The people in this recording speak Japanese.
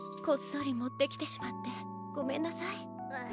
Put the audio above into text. こっそりもってきてしまってごめんなさい。